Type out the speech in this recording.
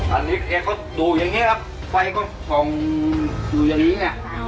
อันนี้เองก็ดูอย่างนี้ครับไปก็ต้องดูอย่างนี้เนี่ย